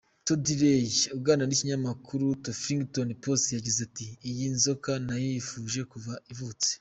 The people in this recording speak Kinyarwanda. Todd Ray aganira n’ikinyamakuru Huffington Post yagize ati: "Iyi nzoka nayifuje kuva ivutse.